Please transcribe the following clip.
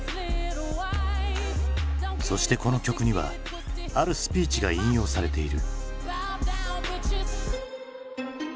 そしてこの曲にはあるスピーチが引用されている。